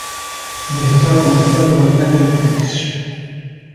Directora comercial do Balneario de Cuntis.